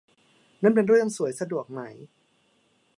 นั่นเป็นเรื่องสวย สะดวกไหม